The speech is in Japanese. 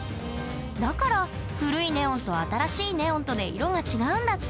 だから古いネオンと新しいネオンとで色が違うんだって！